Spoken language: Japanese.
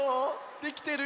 できてる？